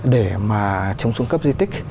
để mà trống xuống cấp di tích